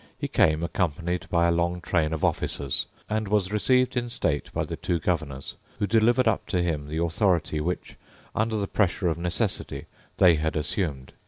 He came accompanied by a long train of officers, and was received in state by the two Governors, who delivered up to him the authority which, under the pressure of necessity, they had assumed.